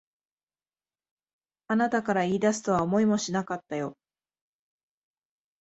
あなたから言い出すとは思いもしなかったよ。